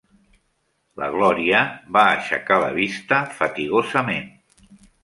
La Glòria va aixecar la vista fatigosament.